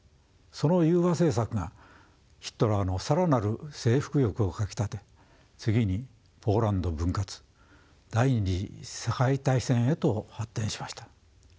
その融和政策がヒトラーの更なる征服欲をかきたて次にポーランド分割第２次世界大戦へと発展しました。